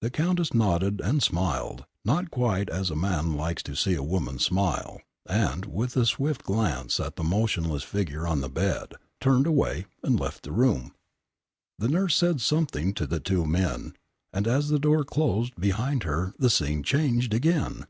The Countess nodded and smiled, not quite as a man likes to see a woman smile, and, with a swift glance at the motionless figure on the bed, turned away and left the room. The nurse said something to the two men, and as the door closed behind her the scene changed again.